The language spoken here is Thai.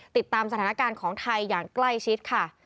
ติดตามสถานการณ์ของไทยอย่างใกล้ชิดค่ะ